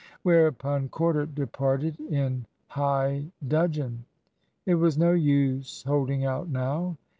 Whereupon Corder departed in high dudgeon. It was no use holding out now.